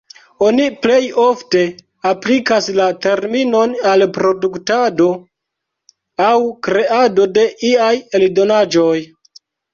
Oni plej ofte aplikas la terminon al produktado aŭ kreado de iaj eldonaĵoj.